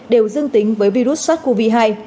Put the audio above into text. đều dương tính với virus sars cov hai